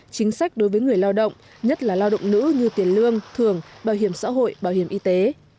chính sách đối với người lao động nhất là lao động nữ như tiền lương thường bảo hiểm xã hội bảo hiểm y tế